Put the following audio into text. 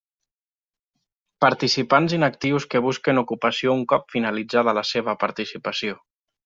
Participants inactius que busquen ocupació un cop finalitzada la seva participació.